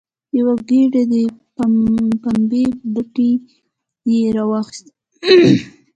یوه ګېډۍ د پمبې پټی یې راواخیست.